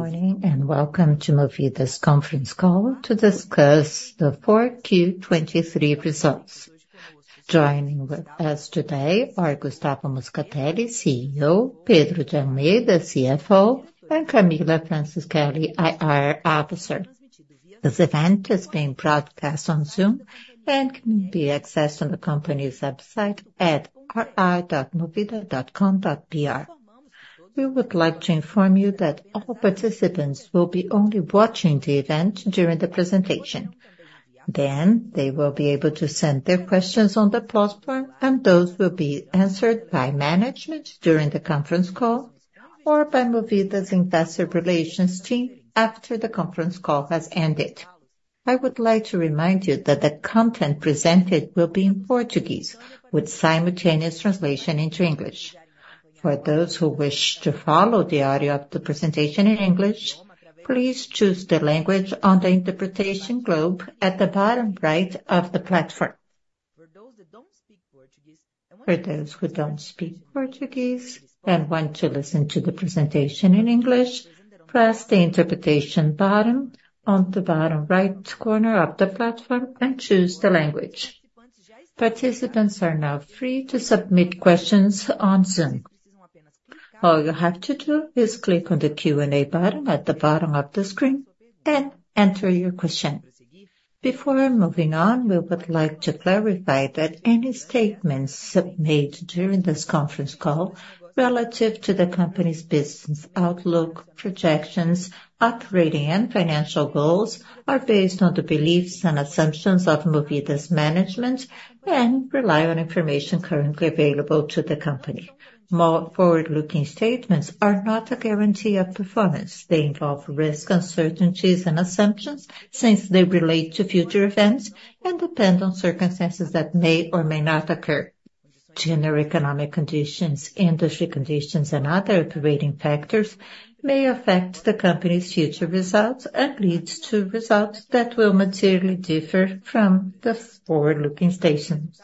Good morning and welcome to Movida's conference call to discuss the 4Q23 results. Joining with us today are Gustavo Moscatelli, CEO; Pedro de Almeida, CFO; and Camila Franceschelli, IR Officer. This event is being broadcast on Zoom and can be accessed on the company's website at ri.movida.com.br. We would like to inform you that all participants will be only watching the event during the presentation. Then they will be able to send their questions on the platform, and those will be answered by management during the conference call or by Movida's investor relations team after the conference call has ended. I would like to remind you that the content presented will be in Portuguese, with simultaneous translation into English. For those who wish to follow the audio of the presentation in English, please choose the language on the interpretation globe at the bottom right of the platform. For those who don't speak Portuguese and want to listen to the presentation in English, press the interpretation button on the bottom right corner of the platform and choose the language. Participants are now free to submit questions on Zoom. All you have to do is click on the Q&A button at the bottom of the screen and enter your question. Before moving on, we would like to clarify that any statements submitted during this conference call relative to the company's business outlook, projections, operating, and financial goals are based on the beliefs and assumptions of Movida's management and rely on information currently available to the company. Forward-looking statements are not a guarantee of performance. They involve risk, uncertainties, and assumptions since they relate to future events and depend on circumstances that may or may not occur. General economic conditions, industry conditions, and other operating factors may affect the company's future results and lead to results that will materially differ from the forward-looking statements.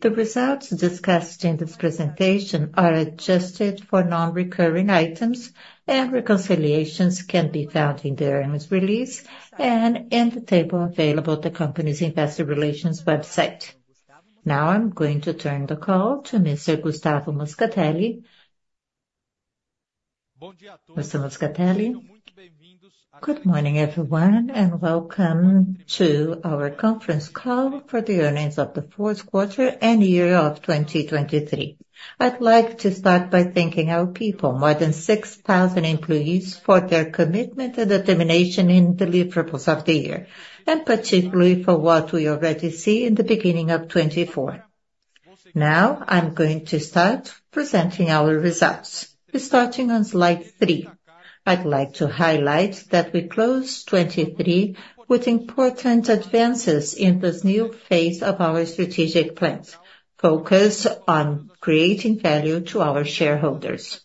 The results discussed in this presentation are adjusted for non-recurring items, and reconciliations can be found in the earnings release and in the table available at the company's investor relations website. Now I'm going to turn the call to Mr. Gustavo Moscatelli. Mr. Moscatelli, good morning everyone and welcome to our conference call for the earnings of the fourth quarter and year of 2023. I'd like to start by thanking our people, more than 6,000 employees, for their commitment and determination in the deliverables of the year, and particularly for what we already see in the beginning of 2024. Now I'm going to start presenting our results. Starting on slide 3, I'd like to highlight that we closed 2023 with important advances in this new phase of our strategic plans, focused on creating value to our shareholders.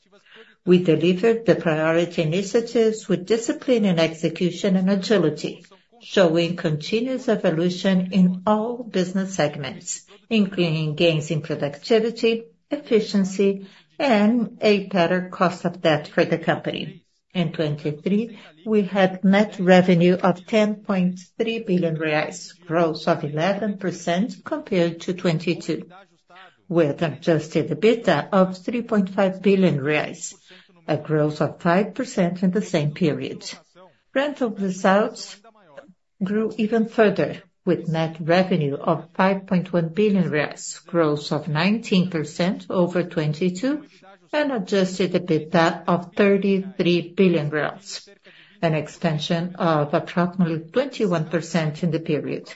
We delivered the priority initiatives with discipline in execution and agility, showing continuous evolution in all business segments, including gains in productivity, efficiency, and a better cost of debt for the company. In 2023, we had net revenue of 10.3 billion reais, growth of 11% compared to 2022, with adjusted EBITDA of 3.5 billion reais, a growth of 5% in the same period. Rental results grew even further, with net revenue of 5.1 billion, growth of 19% over 2022, and adjusted EBITDA of 33 billion, an expansion of approximately 21% in the period.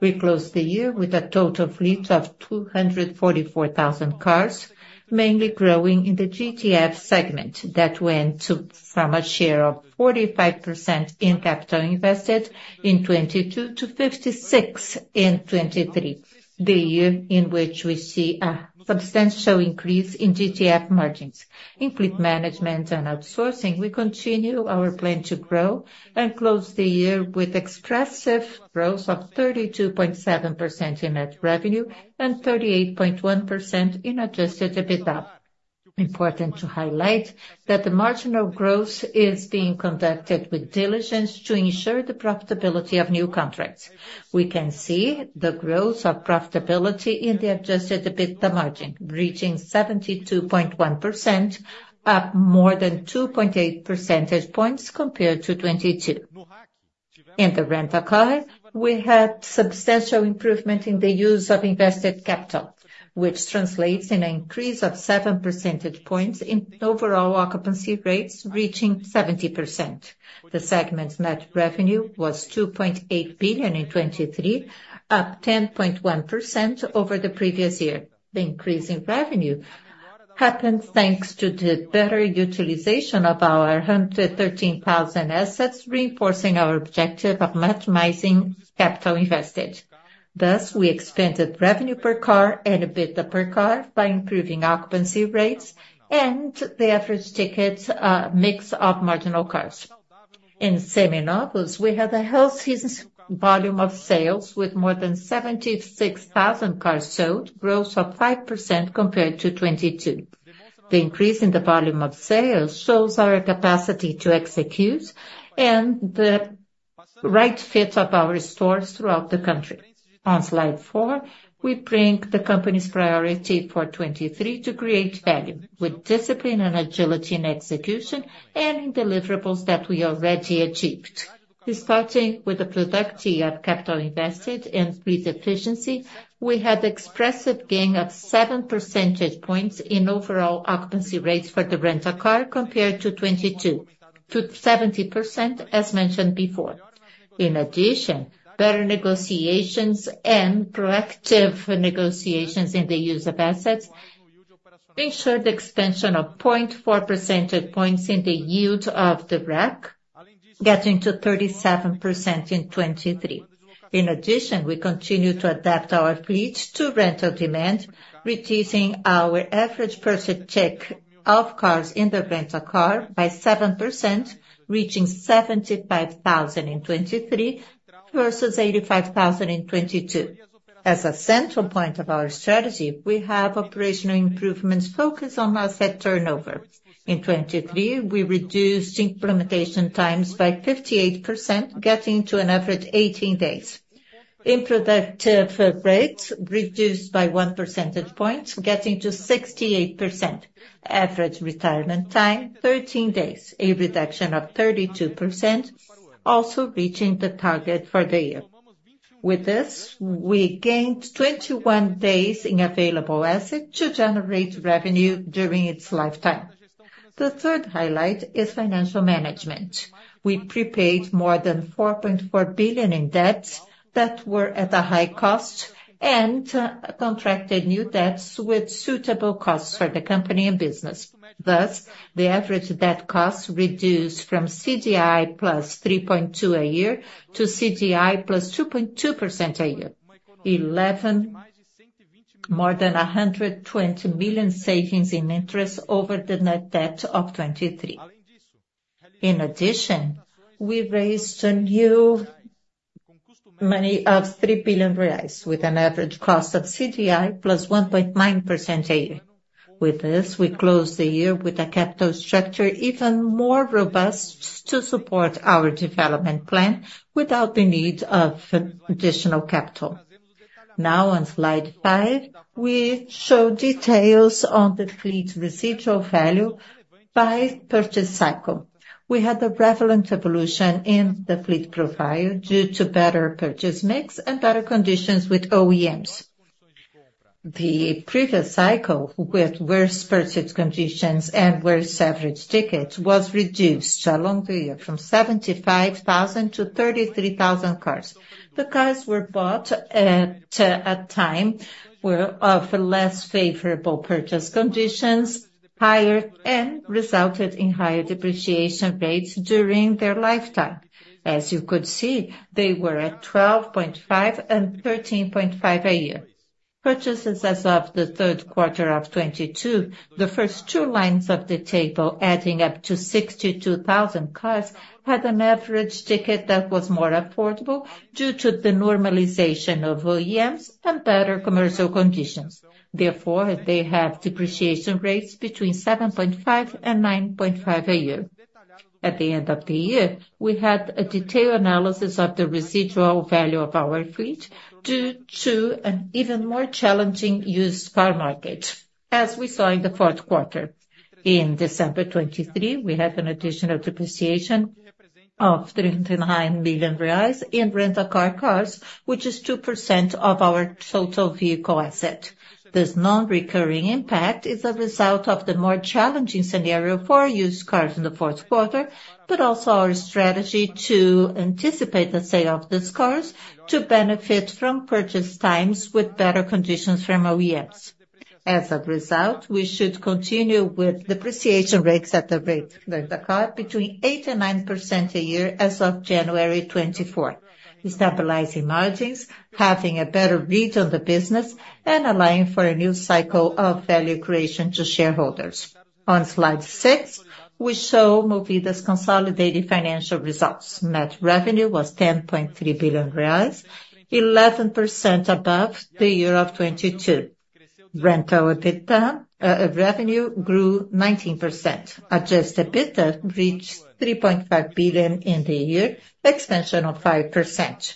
We closed the year with a total fleet of 244,000 cars, mainly growing in the GTF segment that went from a share of 45% in capital invested in 2022 to 56% in 2023, the year in which we see a substantial increase in GTF margins. In fleet management and outsourcing, we continue our plan to grow and close the year with expressive growth of 32.7% in net revenue and 38.1% in adjusted EBITDA. Important to highlight that the marginal growth is being conducted with diligence to ensure the profitability of new contracts. We can see the growth of profitability in the adjusted EBITDA margin, reaching 72.1%, up more than 2.8 percentage points compared to 2022. In the rental car, we had substantial improvement in the use of invested capital, which translates in an increase of 7 percentage points in overall occupancy rates, reaching 70%. The segment's net revenue was BRL 2.8 billion in 2023, up 10.1% over the previous year. The increase in revenue happened thanks to the better utilization of our 113,000 assets, reinforcing our objective of maximizing capital invested. Thus, we expanded revenue per car and EBITDA per car by improving occupancy rates and the average ticket mix of marginal cars. In Seminovos, we had a healthy volume of sales with more than 76,000 cars sold, growth of 5% compared to 2022. The increase in the volume of sales shows our capacity to execute and the right fit of our stores throughout the country. On Slide 4, we bring the company's priority for 2023 to create value, with discipline and agility in execution and in deliverables that we already achieved. Starting with the productivity of capital invested and fleet efficiency, we had an expressive gain of 7 percentage points in overall occupancy rates for the rental car compared to 2022, to 70%, as mentioned before. In addition, better negotiations and proactive negotiations in the use of assets ensured the expansion of 0.4 percentage points in the yield of the RAC, getting to 37% in 2023. In addition, we continue to adapt our fleet to rental demand, reducing our average percentage of cars in the rental car by 7%, reaching 75,000 in 2023 versus 85,000 in 2022. As a central point of our strategy, we have operational improvements focused on asset turnover. In 2023, we reduced implementation times by 58%, getting to an average of 18 days. In productive rates, reduced by 1 percentage point, getting to 68%. Average retirement time: 13 days, a reduction of 32%, also reaching the target for the year. With this, we gained 21 days in available assets to generate revenue during its lifetime. The third highlight is financial management. We prepaid more than 4.4 billion in debts that were at a high cost and contracted new debts with suitable costs for the company and business. Thus, the average debt costs reduced from CDI plus 3.2% a year to CDI plus 2.2% a year, more than 120 million savings in interest over the net debt of 2023. In addition, we raised new money of 3 billion reais, with an average cost of CDI plus 1.9% a year. With this, we closed the year with a capital structure even more robust to support our development plan without the need of additional capital. Now, on slide 5, we show details on the fleet residual value by purchase cycle. We had a prevalent evolution in the fleet profile due to better purchase mix and better conditions with OEMs. The previous cycle, with worse purchase conditions and worse average tickets, was reduced along the year from 75,000 to 33,000 cars. The cars were bought at a time of less favorable purchase conditions, higher, and resulted in higher depreciation rates during their lifetime. As you could see, they were at 12.5% and 13.5% a year. Purchases as of the third quarter of 2022, the first two lines of the table adding up to 62,000 cars, had an average ticket that was more affordable due to the normalization of OEMs and better commercial conditions. Therefore, they have depreciation rates between 7.5% and 9.5% a year. At the end of the year, we had a detailed analysis of the residual value of our fleet due to an even more challenging used car market, as we saw in the fourth quarter. In December 2023, we had an additional depreciation of 39 million reais in rental car cars, which is 2% of our total vehicle asset. This non-recurring impact is a result of the more challenging scenario for used cars in the fourth quarter, but also our strategy to anticipate the sale of these cars to benefit from purchase times with better conditions from OEMs. As a result, we should continue with depreciation rates at the rate of the car between 8%-9% a year as of January 2024, stabilizing margins, having a better read on the business, and allowing for a new cycle of value creation to shareholders. On slide six, we show Movida's consolidated financial results. Net revenue was 10.3 billion reais, 11% above the year of 2022. Rental EBITDA revenue grew 19%. Adjusted EBITDA reached 3.5 billion in the year, expansion of 5%.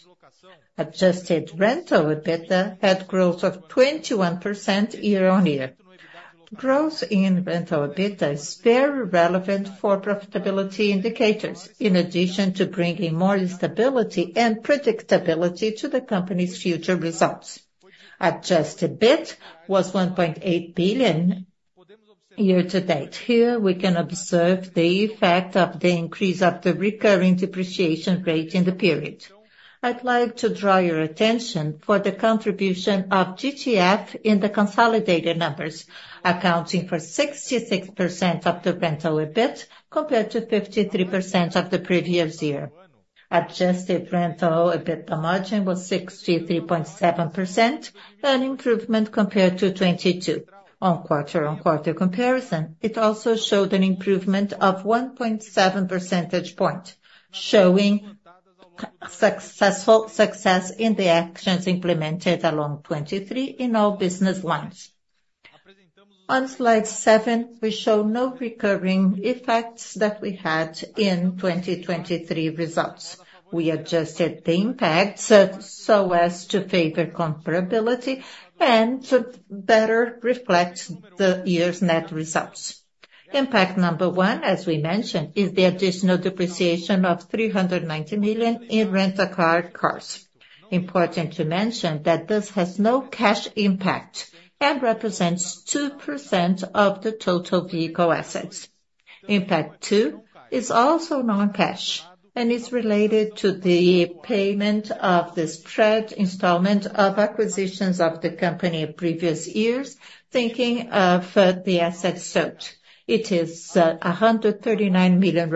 Adjusted rental EBITDA had growth of 21% year-on-year. Growth in rental EBITDA is very relevant for profitability indicators, in addition to bringing more stability and predictability to the company's future results. Adjusted EBIT was 1.8 billion year to date. Here, we can observe the effect of the increase of the recurring depreciation rate in the period. I'd like to draw your attention to the contribution of GTF in the consolidated numbers, accounting for 66% of the rental EBIT compared to 53% of the previous year. Adjusted rental EBITDA margin was 63.7%, an improvement compared to 2022. On quarter-on-quarter comparison, it also showed an improvement of 1.7 percentage points, showing success in the actions implemented along 2023 in all business lines. On slide seven, we show no recurring effects that we had in 2023 results. We adjusted the impacts so as to favor comparability and to better reflect the year's net results. Impact number one, as we mentioned, is the additional depreciation of 390 million in rental car cars. Important to mention that this has no cash impact and represents 2% of the total vehicle assets. Impact two is also non-cash and is related to the payment of the spread installment of acquisitions of the company in previous years, thinking of the assets sold. It is 139 million.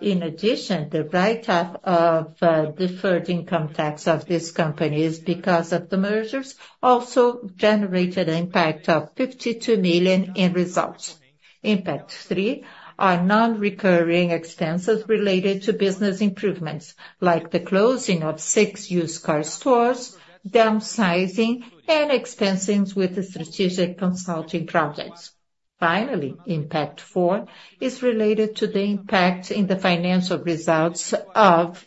In addition, the write-off of deferred income tax of this company because of the mergers also generated an impact of 52 million in results. Impact three are non-recurring expenses related to business improvements, like the closing of six used car stores, downsizing, and expenses with strategic consulting projects. Finally, impact four is related to the impact in the financial results of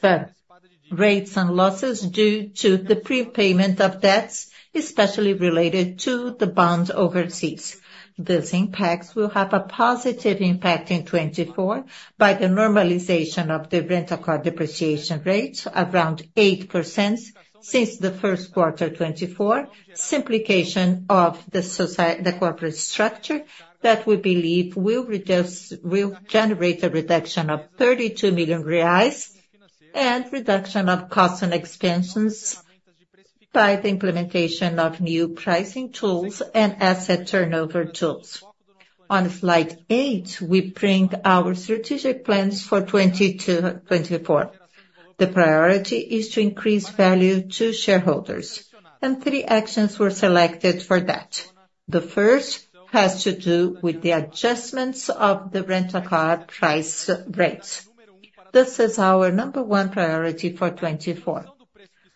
rates and losses due to the prepayment of debts, especially related to the bonds overseas. These impacts will have a positive impact in 2024 by the normalization of the rental car depreciation rate around 8% since the first quarter 2024, simplification of the corporate structure that we believe will generate a reduction of 32 million reais and reduction of costs and expenses by the implementation of new pricing tools and asset turnover tools. On slide eight, we bring our strategic plans for 2024. The priority is to increase value to shareholders, and three actions were selected for that. The first has to do with the adjustments of the rental car price rates. This is our number one priority for 2024.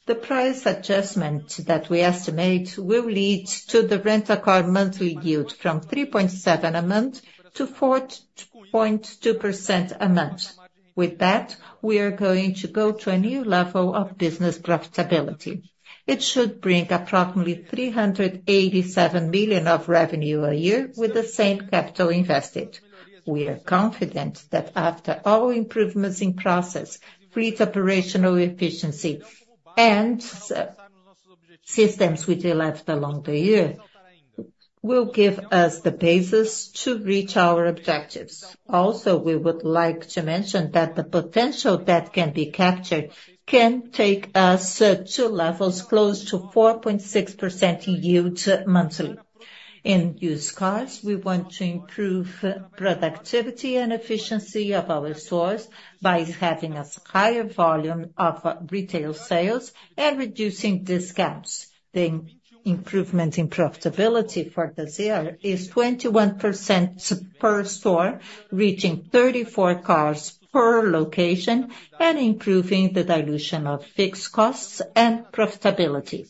The price adjustment that we estimate will lead to the rental car monthly yield from 3.7%-4.2% a month. With that, we are going to go to a new level of business profitability. It should bring approximately 387 million of revenue a year with the same capital invested. We are confident that after all improvements in process, fleet operational efficiency, and systems we developed along the year will give us the basis to reach our objectives. Also, we would like to mention that the potential debt can be captured, can take us to levels close to 4.6% yield monthly. In used cars, we want to improve productivity and efficiency of our stores by having a higher volume of retail sales and reducing discounts. The improvement in profitability for this year is 21% per store, reaching 34 cars per location, and improving the dilution of fixed costs and profitability.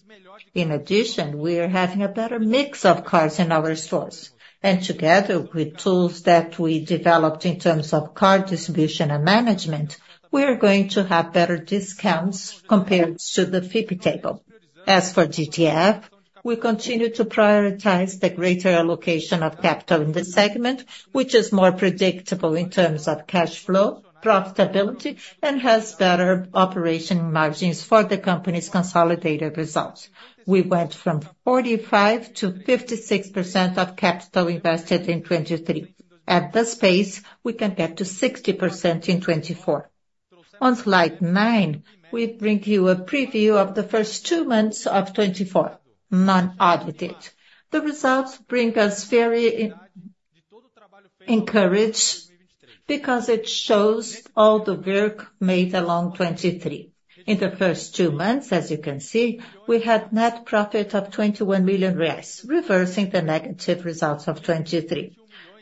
In addition, we are having a better mix of cars in our stores. And together with tools that we developed in terms of car distribution and management, we are going to have better discounts compared to the FIPE table. As for GTF, we continue to prioritize the greater allocation of capital in the segment, which is more predictable in terms of cash flow, profitability, and has better operating margins for the company's consolidated results. We went from 45%-56% of capital invested in 2023. At this pace, we can get to 60% in 2024. On slide nine, we bring you a preview of the first 2 months of 2024, unaudited. The results bring us very encouraged because it shows all the work made along 2023. In the first 2 months, as you can see, we had net profit of 21 million reais, reversing the negative results of 2023.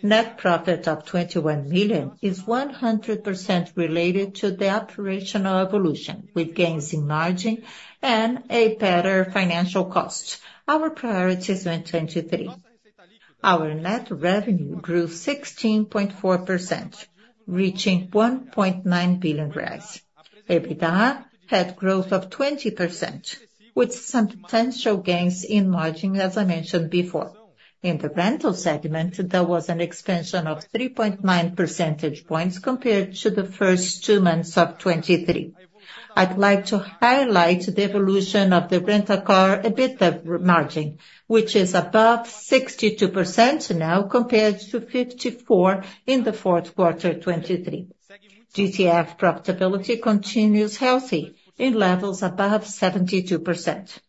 Net profit of 21 million is 100% related to the operational evolution, with gains in margin and a better financial cost, our priorities in 2023. Our net revenue grew 16.4%, reaching 1.9 billion. EBITDA had growth of 20%, with substantial gains in margin, as I mentioned before. In the rental segment, there was an expansion of 3.9 percentage points compared to the first 2 months of 2023. I'd like to highlight the evolution of the rental car EBITDA margin, which is above 62% now compared to 54% in the fourth quarter 2023. GTF profitability continues healthy in levels above 72%.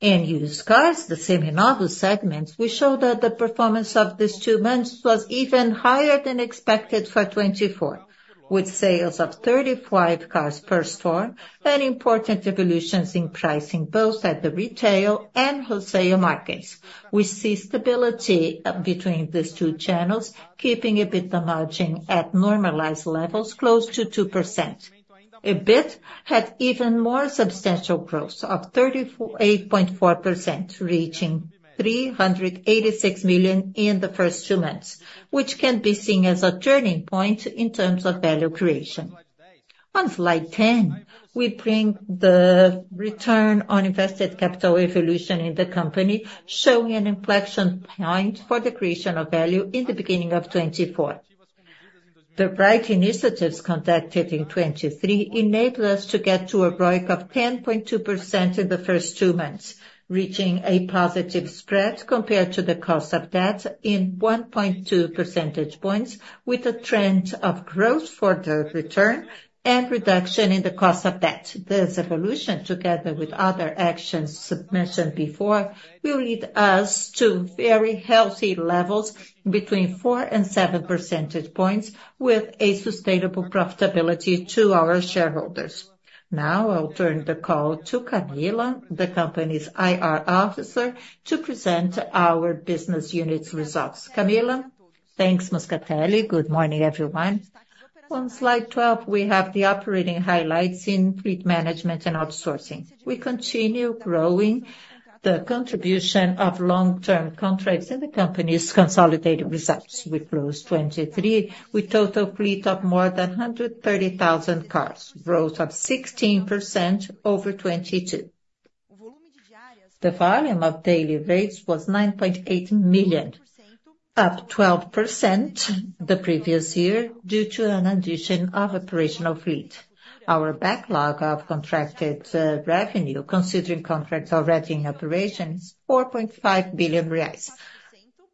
In used cars, the Seminovos segment, we show that the performance of these 2 months was even higher than expected for 2024, with sales of 35 cars per store and important evolutions in pricing both at the retail and wholesale markets. We see stability between these two channels, keeping EBITDA margin at normalized levels close to 2%. EBIT had even more substantial growth of 38.4%, reaching 386 million in the first 2 months, which can be seen as a turning point in terms of value creation. On slide 10, we bring the return on invested capital evolution in the company, showing an inflection point for the creation of value in the beginning of 2024. The Right initiatives conducted in 2023 enabled us to get to a ROIC of 10.2% in the first 2 months, reaching a positive spread compared to the cost of debt in 1.2 percentage points, with a trend of growth for the return and reduction in the cost of debt. This evolution, together with other actions mentioned before, will lead us to very healthy levels between 4% and 7 percentage points, with a sustainable profitability to our shareholders. Now, I'll turn the call to Camila, the company's IR officer, to present our business unit's results. Camila, thanks, Moscatelli. Good morning, everyone. On Slide 12, we have the operating highlights in fleet management and outsourcing. We continue growing the contribution of long-term contracts in the company's consolidated results. With growth 2023, we total fleet of more than 130,000 cars, growth of 16% over 2022. The volume of daily rates was 9.8 million, up 12% the previous year due to an addition of operational fleet. Our backlog of contracted revenue, considering contracts already in operation, is 4.5 billion reais,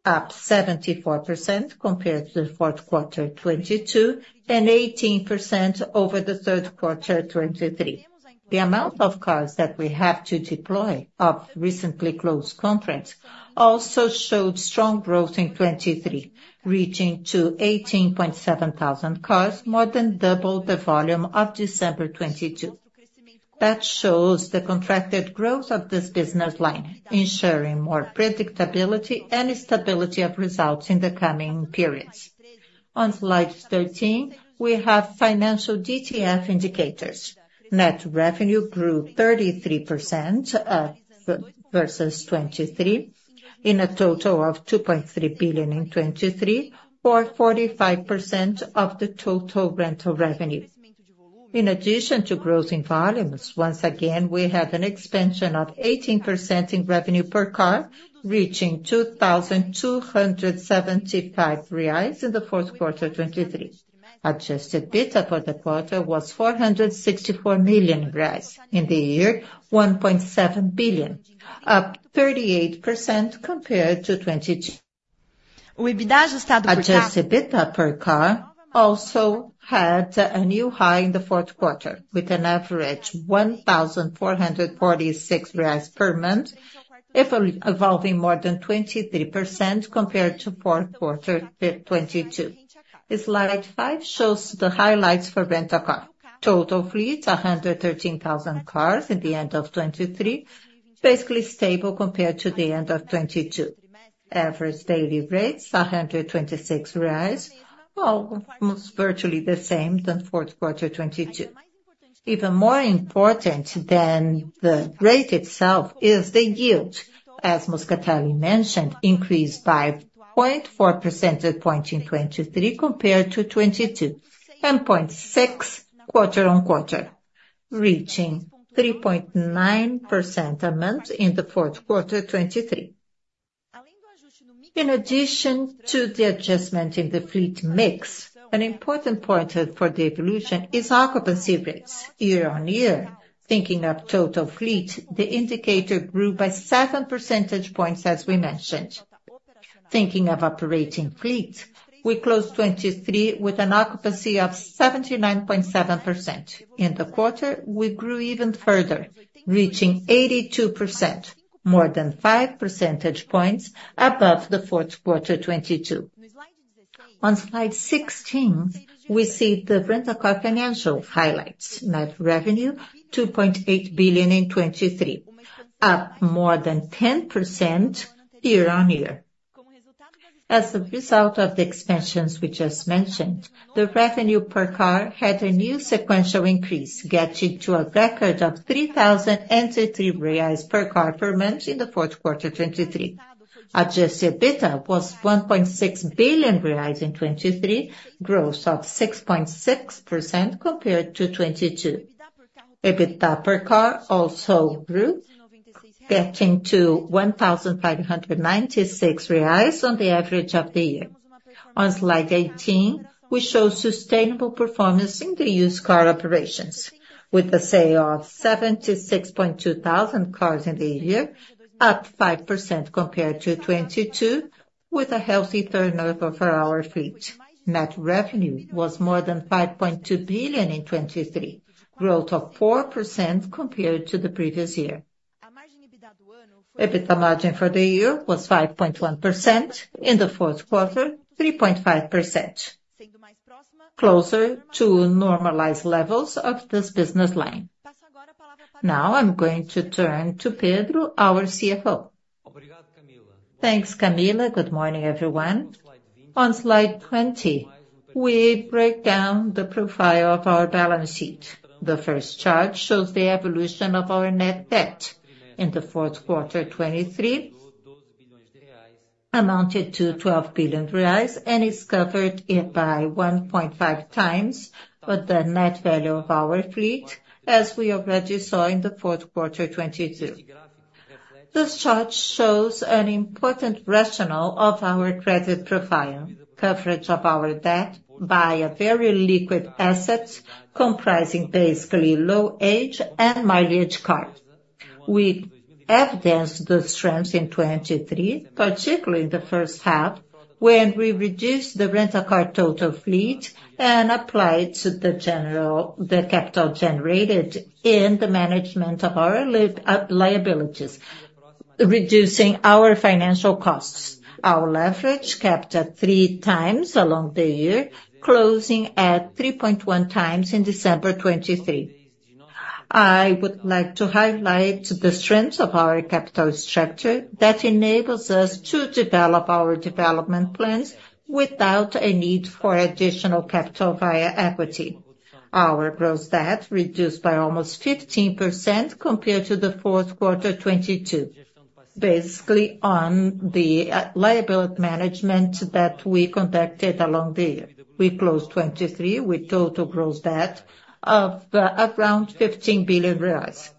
up 74% compared to the fourth quarter 2022 and 18% over the third quarter 2023. The amount of cars that we have to deploy of recently closed contracts also showed strong growth in 2023, reaching to 18,700 cars, more than double the volume of December 2022. That shows the contracted growth of this business line, ensuring more predictability and stability of results in the coming periods. On Slide 13, we have financial GTF indicators. Net revenue grew 33% versus 2023, in a total of 2.3 billion in 2023, or 45% of the total rental revenue. In addition to growth in volumes, once again, we have an expansion of 18% in revenue per car, reaching 2,275 reais in the fourth quarter 2023. Adjusted EBITDA for the quarter was 464 million reais, in the year, 1.7 billion, up 38% compared to 2022. Adjusted EBITDA per car also had a new high in the fourth quarter, with an average 1,446 reais per month, evolving more than 23% compared to fourth quarter 2022. Slide five shows the highlights for rental car. Total fleet: 113,000 cars at the end of 2023, basically stable compared to the end of 2022. Average daily rates: 126 reais, almost virtually the same than fourth quarter 2022. Even more important than the rate itself is the yield, as Moscatelli mentioned, increased by 0.4 percentage point in 2023 compared to 2022 and 0.6 quarter-on-quarter, reaching 3.9% a month in the fourth quarter 2023. In addition to the adjustment in the fleet mix, an important point for the evolution is occupancy rates. Year-on-year, thinking of total fleet, the indicator grew by 7 percentage points, as we mentioned. Thinking of operating fleet, we closed 2023 with an occupancy of 79.7%. In the quarter, we grew even further, reaching 82%, more than 5 percentage points above the fourth quarter 2022. On Slide 16, we see the rental car financial highlights. Net revenue: 2.8 billion in 2023, up more than 10% year-on-year. As a result of the expansions we just mentioned, the revenue per car had a new sequential increase, getting to a record of 3,083 reais per car per month in the fourth quarter 2023. Adjusted EBITDA was 1.6 billion reais in 2023, growth of 6.6% compared to 2022. EBITDA per car also grew, getting to 1,596 reais on the average of the year. On Slide 18, we show sustainable performance in the used car operations, with a sale of 76,200 cars in the year, up 5% compared to 2022, with a healthy turnover for our fleet. Net revenue was more than 5.2 billion in 2023, growth of 4% compared to the previous year. EBITDA margin for the year was 5.1%. In the fourth quarter, 3.5%, closer to normalized levels of this business line. Now, I'm going to turn to Pedro, our CFO. Thanks, Camila. Good morning, everyone. On Slide 20, we break down the profile of our balance sheet. The first chart shows the evolution of our net debt in the fourth quarter 2023, amounting to 12 billion reais and is covered by 1.5x the net value of our fleet, as we already saw in the fourth quarter 2022. This chart shows an important rationale of our credit profile: coverage of our debt by very liquid assets comprising basically low-age and mileage cars. We evidenced the strength in 2023, particularly in the first half, when we reduced the rental car total fleet and applied the capital generated in the management of our liabilities, reducing our financial costs. Our leverage kept at 3x along the year, closing at 3.1x in December 2023. I would like to highlight the strengths of our capital structure that enables us to develop our development plans without a need for additional capital via equity. Our gross debt reduced by almost 15% compared to the fourth quarter 2022, basically on the liability management that we conducted along the year. We closed 2023 with total gross debt of around 15 billion reais.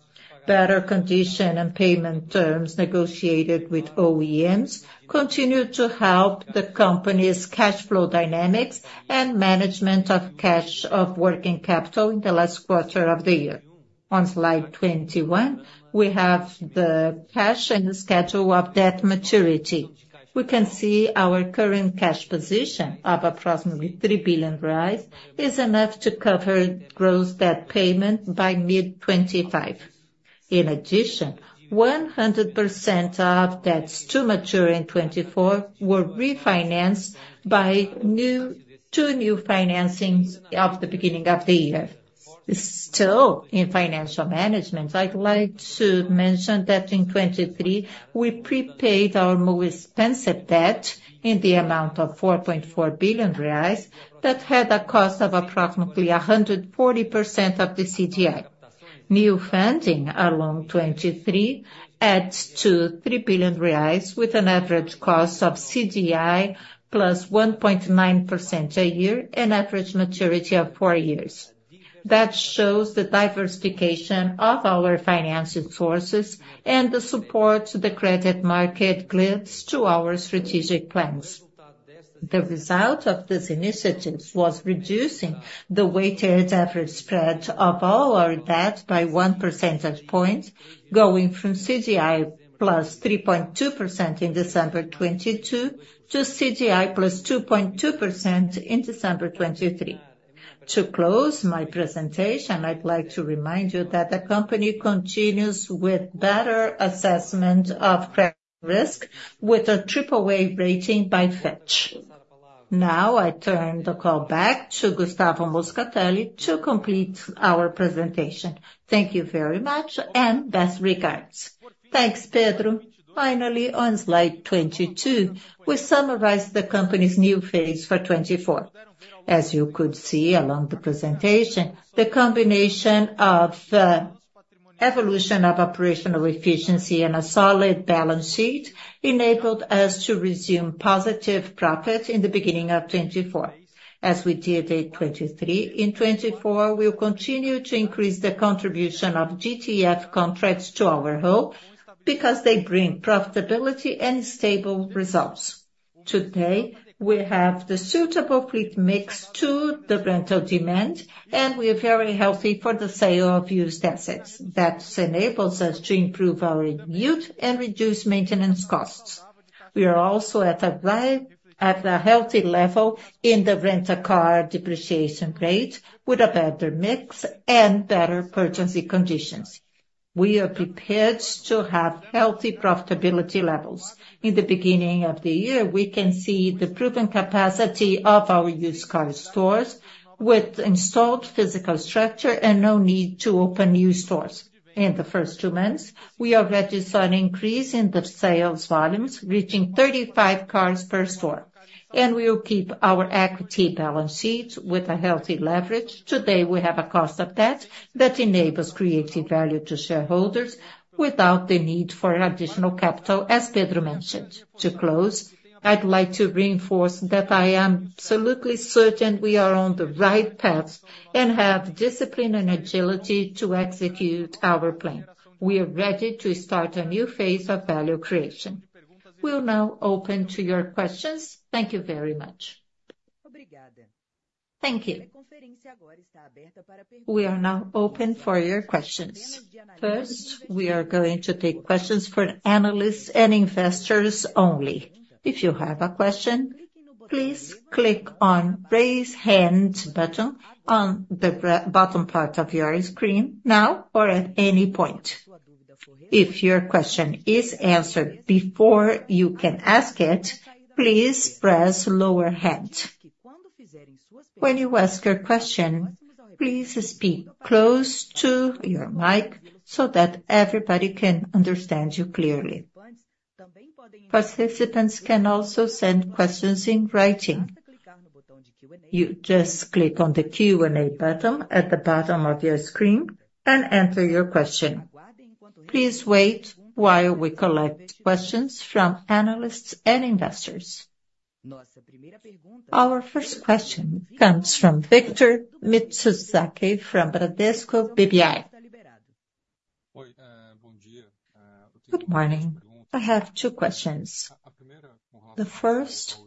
Better conditions and payment terms negotiated with OEMs continue to help the company's cash flow dynamics and management of working capital in the last quarter of the year. On Slide 21, we have the cash and the schedule of debt maturity. We can see our current cash position, of approximately 3 billion reais, is enough to cover gross debt payment by mid-2025. In addition, 100% of debts to mature in 2024 were refinanced by two new financings at the beginning of the year. Still, in financial management, I'd like to mention that in 2023, we prepaid our most expensive debt in the amount of 4.4 billion reais that had a cost of approximately 140% of the CDI. New funding along 2023 adds to 3 billion reais, with an average cost of CDI plus 1.9% a year, an average maturity of four years. That shows the diversification of our financial sources and the support the credit market gives to our strategic plans. The result of these initiatives was reducing the weighted average spread of all our debt by 1 percentage point, going from CDI plus 3.2% in December 2022 to CDI plus 2.2% in December 2023. To close my presentation, I'd like to remind you that the company continues with better assessment of credit risk with a triple-A rating by Fitch. Now, I turn the call back to Gustavo Moscatelli to complete our presentation. Thank you very much, and best regards. Thanks, Pedro. Finally, on Slide 22, we summarize the company's new phase for 2024. As you could see along the presentation, the combination of evolution of operational efficiency and a solid balance sheet enabled us to resume positive profits in the beginning of 2024, as we did in 2023. In 2024, we will continue to increase the contribution of GTF contracts to our whole because they bring profitability and stable results. Today, we have the suitable fleet mix to the rental demand, and we are very healthy for the sale of used assets. That enables us to improve our yield and reduce maintenance costs. We are also at a healthy level in the rental car depreciation rate with a better mix and better purchasing conditions. We are prepared to have healthy profitability levels. In the beginning of the year, we can see the proven capacity of our used car stores with installed physical structure and no need to open new stores. In the first 2 months, we already saw an increase in the sales volumes, reaching 35 cars per store, and we will keep our equity balance sheets with a healthy leverage. Today, we have a cost of debt that enables creative value to shareholders without the need for additional capital, as Pedro mentioned. To close, I'd like to reinforce that I am absolutely certain we are on the right path and have discipline and agility to execute our plan. We are ready to start a new phase of value creation. We'll now open to your questions. Thank you very much. We are now open for your questions. First, we are going to take questions for analysts and investors only. If you have a question, please click on the raise hand button on the bottom part of your screen now or at any point. If your question is answered before you can ask it, please press lower hand. When you ask your question, please speak close to your mic so that everybody can understand you clearly. Participants can also send questions in writing. You just click on the Q&A button at the bottom of your screen and enter your question. Please wait while we collect questions from analysts and investors. Our first question comes from Victor Mizusaki from Bradesco BBI. Good morning. I have two questions. The first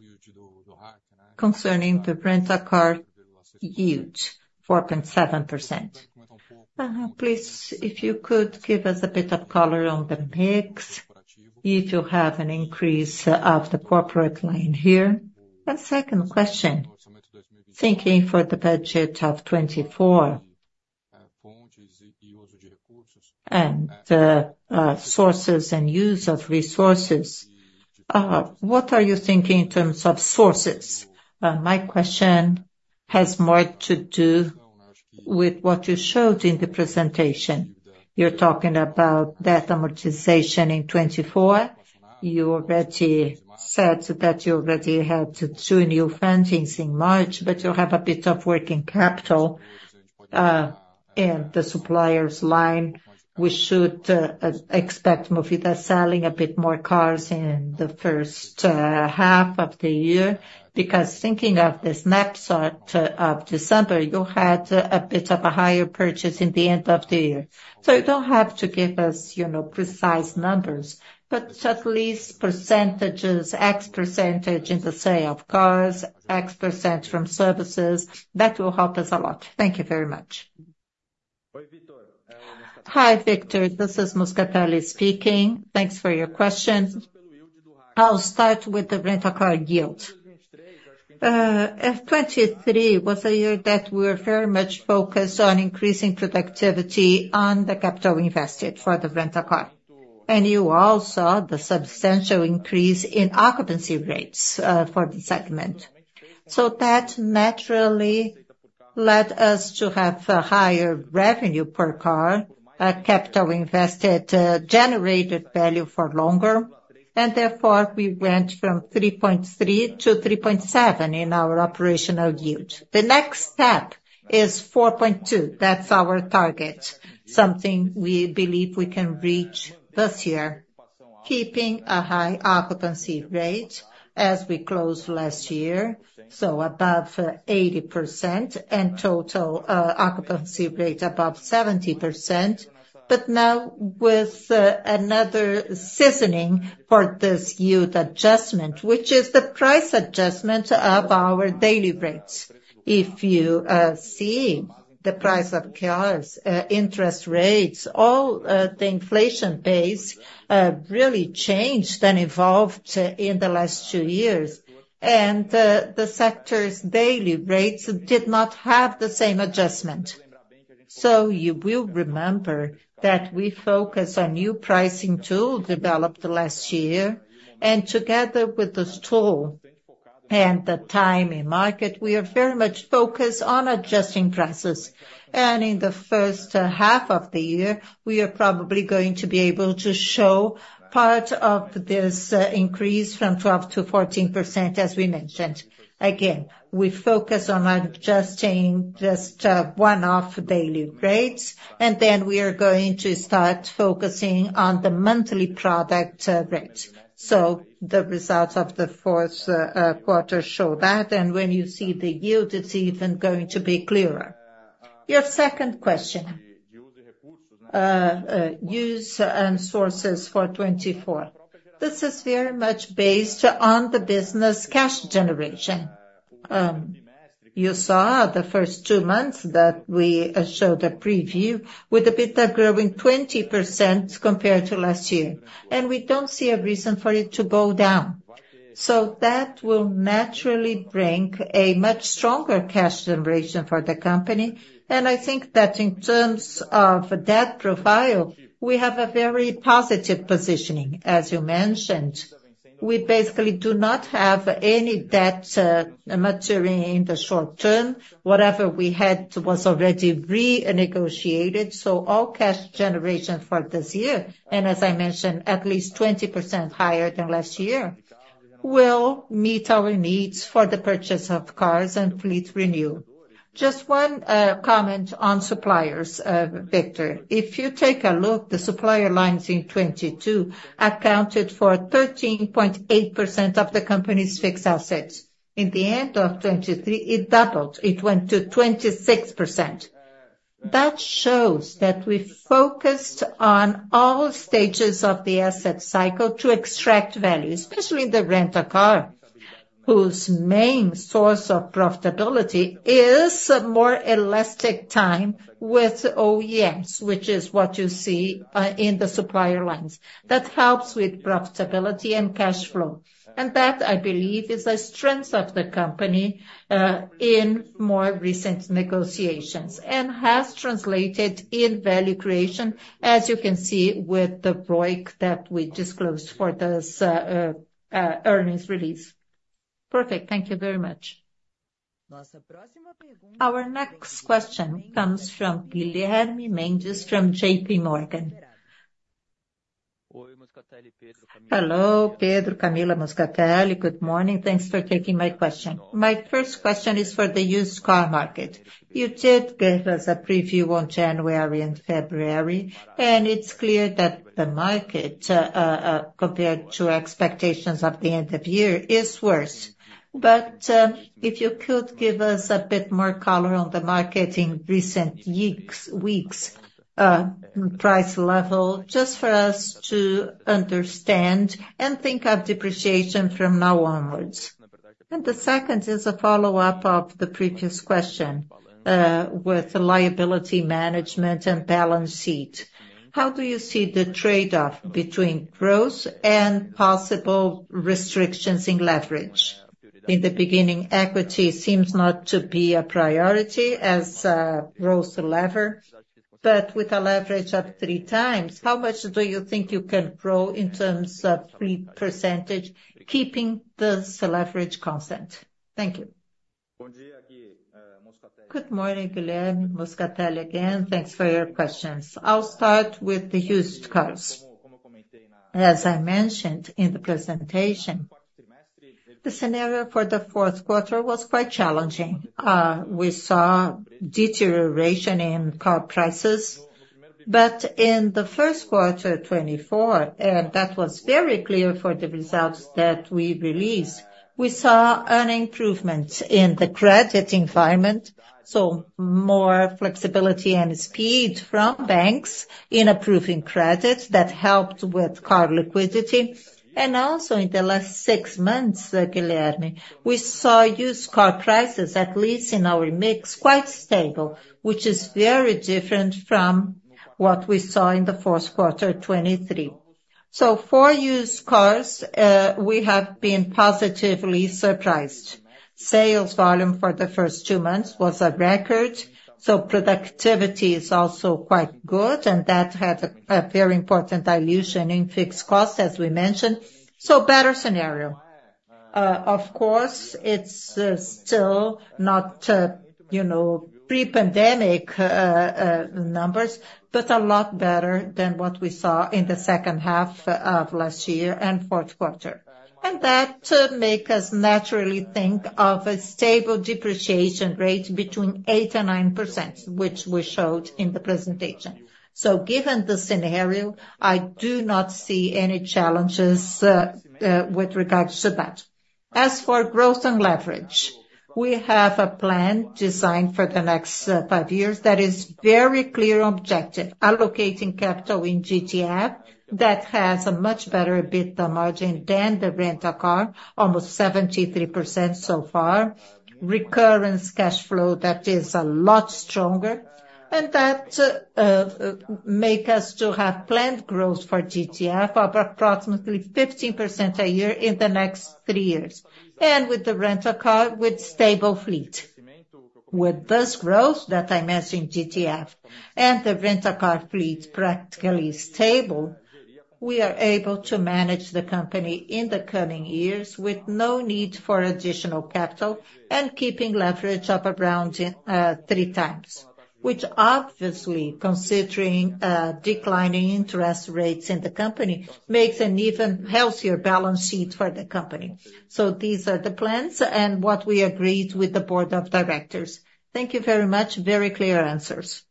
concerning the rental car yield, 4.7%. Please, if you could give us a bit of color on the mix, if you have an increase of the corporate line here. And second question, thinking for the budget of 2024 and sources and use of resources, what are you thinking in terms of sources? My question has more to do with what you showed in the presentation. You're talking about debt amortization in 2024. You already said that you already had two new fundings in March, but you have a bit of working capital in the suppliers line. We should expect Movida selling a bit more cars in the first half of the year because, thinking of the snapshot of December, you had a bit of a higher purchase in the end of the year. So you don't have to give us precise numbers, but at least percentages, X% in the sale of cars, X% from services, that will help us a lot. Thank you very much. Hi, Victor. This is Moscatelli speaking. Thanks for your question. I'll start with the rental car yield. 2023 was a year that we were very much focused on increasing productivity on the capital invested for the rental car, and you also saw the substantial increase in occupancy rates for the segment. So that naturally led us to have higher revenue per car, capital invested generated value for longer, and therefore we went from 3.3-3.7 in our operational yield. The next step is 4.2. That's our target, something we believe we can reach this year, keeping a high occupancy rate as we closed last year, so above 80% and total occupancy rate above 70%. But now with another seasoning for this yield adjustment, which is the price adjustment of our daily rates. If you see the price of cars, interest rates, all the inflation base really changed and evolved in the last two years, and the sector's daily rates did not have the same adjustment. So you will remember that we focus on new pricing tools developed last year, and together with those tools and the time in market, we are very much focused on adjusting prices. In the first half of the year, we are probably going to be able to show part of this increase from 12%-14%, as we mentioned. Again, we focus on adjusting just one-off daily rates, and then we are going to start focusing on the monthly product rate. So the results of the fourth quarter show that, and when you see the yield, it's even going to be clearer. Your second question, uses and sources for 2024. This is very much based on the business cash generation. You saw the first 2 months that we showed a preview with a bit of growing 20% compared to last year, and we don't see a reason for it to go down. So that will naturally bring a much stronger cash generation for the company. I think that in terms of debt profile, we have a very positive positioning, as you mentioned. We basically do not have any debt maturing in the short term. Whatever we had was already renegotiated. All cash generation for this year, and as I mentioned, at least 20% higher than last year, will meet our needs for the purchase of cars and fleet renewal. Just one comment on suppliers, Victor. If you take a look, the supplier lines in 2022 accounted for 13.8% of the company's fixed assets. In the end of 2023, it doubled. It went to 26%. That shows that we focused on all stages of the asset cycle to extract value, especially in the rental car, whose main source of profitability is more elastic time with OEMs, which is what you see in the supplier lines. That helps with profitability and cash flow. And that, I believe, is a strength of the company in more recent negotiations and has translated in value creation, as you can see with the ROIC that we disclosed for this earnings release. Perfect. Thank you very much. Our next question comes from Guilherme Mendes from JP Morgan. Hello, Pedro, Camila, Moscatelli. Good morning. Thanks for taking my question. My first question is for the used car market. You did give us a preview on January and February, and it's clear that the market, compared to expectations of the end of year, is worse. But if you could give us a bit more color on the market in recent weeks, price level, just for us to understand and think of depreciation from now onwards. And the second is a follow-up of the previous question with liability management and balance sheet. How do you see the trade-off between growth and possible restrictions in leverage? In the beginning, equity seems not to be a priority as growth leveraged, but with a leverage of 3x, how much do you think you can grow in terms of free percentage, keeping this leverage constant? Thank you. Good morning, Guilherme. Gustavo Moscatelli again. Thanks for your questions. I'll start with the used cars. As I mentioned in the presentation, the scenario for the fourth quarter was quite challenging. We saw deterioration in car prices, but in the first quarter, 2024, and that was very clear for the results that we released, we saw an improvement in the credit environment, so more flexibility and speed from banks in approving credit that helped with car liquidity. Also in the last 6 months, Guilherme, we saw used car prices, at least in our mix, quite stable, which is very different from what we saw in the fourth quarter 2023. For used cars, we have been positively surprised. Sales volume for the first 2 months was a record, so productivity is also quite good, and that had a very important dilution in fixed costs, as we mentioned. Better scenario. Of course, it's still not pre-pandemic numbers, but a lot better than what we saw in the second half of last year and fourth quarter. That makes us naturally think of a stable depreciation rate between 8%-9%, which we showed in the presentation. Given the scenario, I do not see any challenges with regards to that. As for growth and leverage, we have a plan designed for the next five years that is very clear objective, allocating capital in GTF that has a much better EBITDA margin than the rental car, almost 73% so far, recurring cash flow that is a lot stronger, and that makes us to have planned growth for GTF of approximately 15% a year in the next three years, and with the rental car with stable fleet. With this growth that I mentioned, GTF and the rental car fleet practically stable, we are able to manage the company in the coming years with no need for additional capital and keeping leverage up around 3x, which obviously, considering declining interest rates in the country, makes an even healthier balance sheet for the company. So these are the plans and what we agreed with the board of directors. Thank you very much. Very clear answers.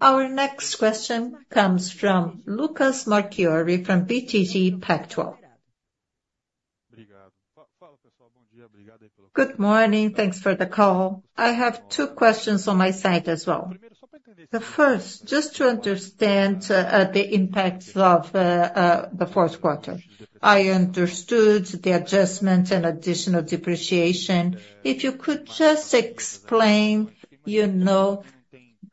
Our next question comes from Lucas Marquiori from BTG Pactual. Good morning. Thanks for the call. I have two questions on my side as well. The first, just to understand the impacts of the fourth quarter. I understood the adjustment and additional depreciation. If you could just explain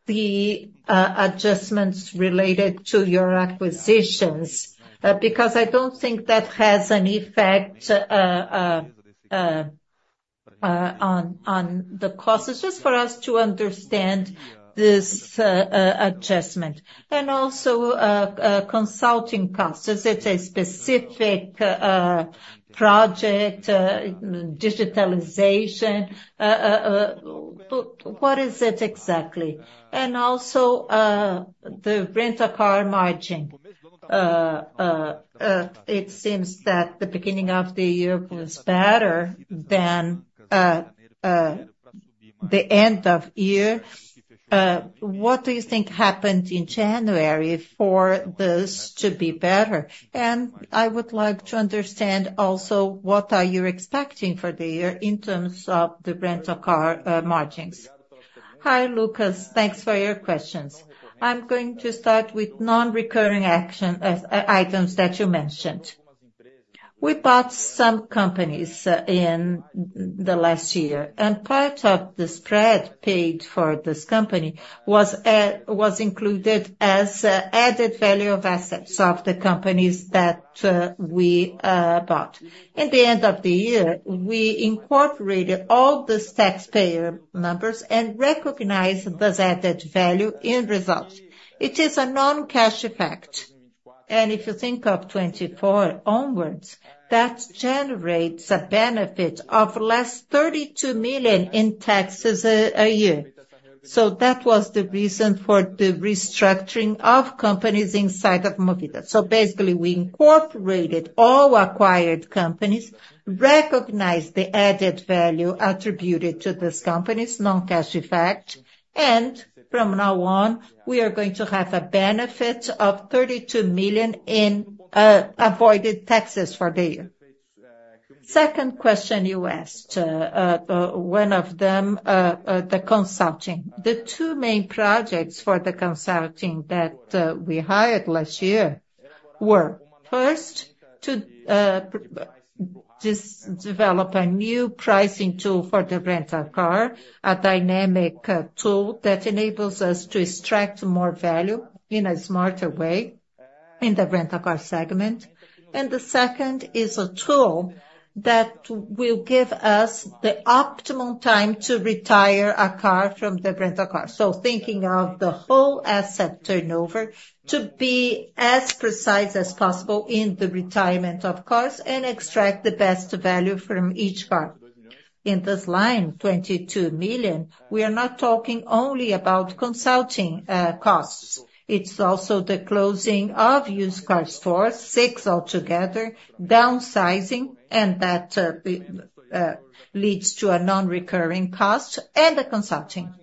the adjustments related to your acquisitions because I don't think that has an effect on the costs. It's just for us to understand this adjustment. And also consulting costs. Is it a specific project, digitalization? What is it exactly? And also the rental car margin. It seems that the beginning of the year was better than the end of year. What do you think happened in January for this to be better? And I would like to understand also what are you expecting for the year in terms of the rental car margins? Hi, Lucas. Thanks for your questions. I'm going to start with non-recurring action items that you mentioned. We bought some companies in the last year, and part of the spread paid for this company was included as added value of assets of the companies that we bought. In the end of the year, we incorporated all the taxpayer numbers and recognized this added value in results. It is a non-cash effect. And if you think of 2024 onwards, that generates a benefit of less than 32 million in taxes a year. So that was the reason for the restructuring of companies inside of Movida. So basically, we incorporated all acquired companies, recognized the added value attributed to these companies, non-cash effect, and from now on, we are going to have a benefit of 32 million in avoided taxes for the year. Second question you asked, one of them, the consulting. The two main projects for the consulting that we hired last year were, first, to develop a new pricing tool for the rental car, a dynamic tool that enables us to extract more value in a smarter way in the rental car segment. The second is a tool that will give us the optimum time to retire a car from the rental car. So thinking of the whole asset turnover to be as precise as possible in the retirement of cars and extract the best value from each car. In this line, 22 million, we are not talking only about consulting costs. It's also the closing of used car stores, six altogether, downsizing, and that leads to a non-recurring cost and a consulting.